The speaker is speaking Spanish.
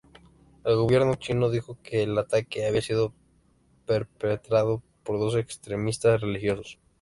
El Gobierno chino dijo que el ataque había sido perpetrado por dos extremistas religiosos.